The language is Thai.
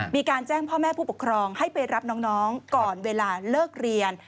มีการแจ้งพ่อแม่ผู้ปกครองให้ไปรับน้องก่อนเวลาเลิกเรียน